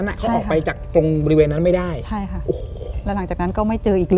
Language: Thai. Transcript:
อ่ะเขาออกไปจากตรงบริเวณนั้นไม่ได้ใช่ค่ะโอ้โหแล้วหลังจากนั้นก็ไม่เจออีกเลย